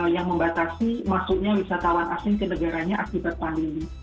yang membatasi masuknya wisatawan asing ke negaranya akibat pandemi